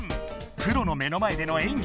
プロの目の前での演技